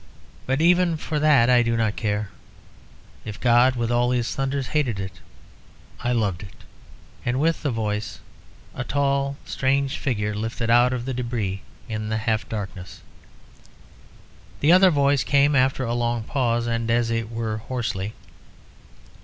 But even for that I do not care. If God, with all His thunders, hated it, I loved it." And with the voice a tall, strange figure lifted itself out of the débris in the half darkness. The other voice came after a long pause, and as it were hoarsely.